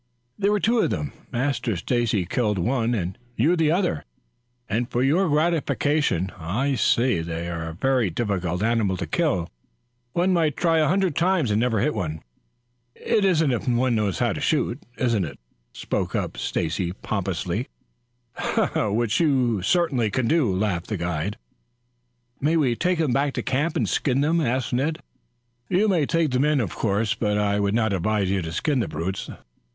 "There were two of them. Master Stacy killed one and you the other, and for your gratification I'll say that they are a very difficult animal to kill. One might try a hundred times and never hit one." "If one knows how to shoot, it isn't," spoke up Stacy pompously. "Which you certainly do," laughed the guide. "May we take them back to camp and skin them?" asked Ned. "You may take them in, of course; but I would not advise you to skin the brutes.